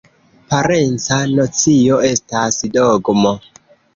Parenca nocio estas ”dogmo”.